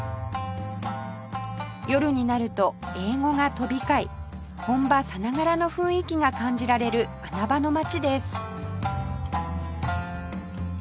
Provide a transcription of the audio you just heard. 夜になると英語が飛び交い本場さながらの雰囲気が感じられる穴場の街です